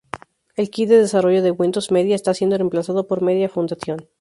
El kit de desarrollo de Windows Media está siendo reemplazado por Media Foundation.